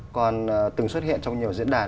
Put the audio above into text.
còn từng xuất hiện trong nhiều diễn đàn